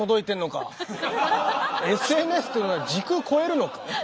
ＳＮＳっていうのは時空超えるのか？